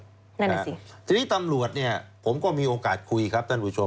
นั่นแหละสิทีนี้ตำรวจเนี่ยผมก็มีโอกาสคุยครับท่านผู้ชม